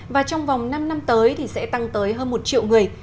và trong vòng năm năm tới thì sẽ tăng tới hơn một triệu người